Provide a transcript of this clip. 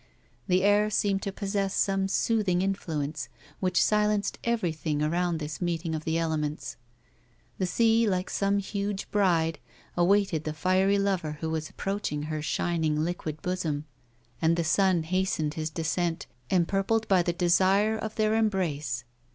The air seemed to possess some soothing influence which silenced everything around this meeting of the elements. The sea, like some huge bride, awaited the fiery lover who was approaching her shining, liquid bosom, and the sun hastened his descent, empurpled by the desire of their embrace.